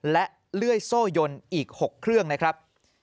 และเลื่อยโซ่ยนอีก๖เครื่องนะครับ